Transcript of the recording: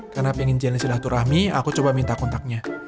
karena pengen jalan silaturahmi aku coba minta kontaknya